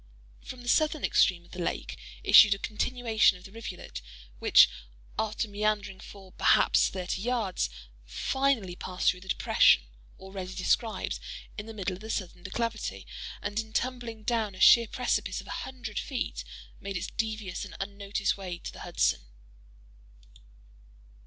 From the southern extreme of the lake issued a continuation of the rivulet, which, after meandering for, perhaps, thirty yards, finally passed through the "depression" (already described) in the middle of the southern declivity, and tumbling down a sheer precipice of a hundred feet, made its devious and unnoticed way to the Hudson.